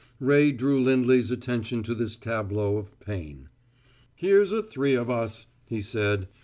Ray drew Lindley's attention to this tableau of pain. "Here's a three of us!" he said.